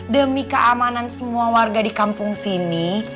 demi keamanan semua warga di kampung sini